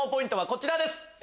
こちらです。